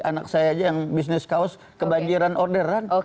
anak saya aja yang bisnis kaos kebanjiran orderan